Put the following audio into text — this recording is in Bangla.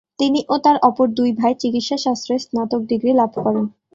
তিনি ও তার অপর দুই ভাই চিকিৎসাশাস্ত্রে স্নাতক ডিগ্রী লাভ করেন।